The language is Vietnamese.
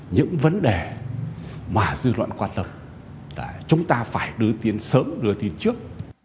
những vấn đề mà dư luận quan tâm chúng ta phải đưa tin sớm đưa tin trước